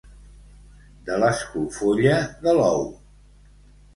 De l'esclofolla de l'ou.